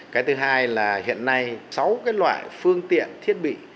cái thứ hai là hiện nay sáu cái loại phương tiện thiết bị